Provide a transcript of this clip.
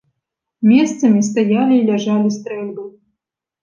Месцамі стаялі і ляжалі стрэльбы.